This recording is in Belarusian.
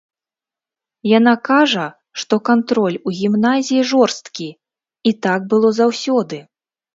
Яна кажа, што кантроль у гімназіі жорсткі, і так было заўсёды.